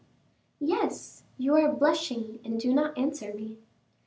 "Yes; you are blushing and do not answer me."